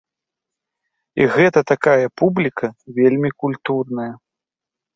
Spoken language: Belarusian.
І гэта такая публіка вельмі культурная.